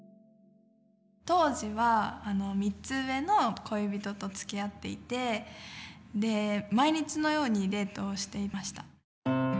当時は３つ上の恋人とつきあっていてで毎日のようにデートをしていました。